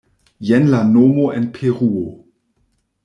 Jen la nomo en Peruo.